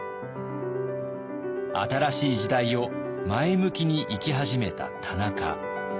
新しい時代を前向きに生き始めた田中。